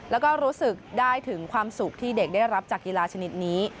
แล้วก็รู้สึกได้ถึงความสุขที่เด็กได้รับจากกีฬาชนิดนี้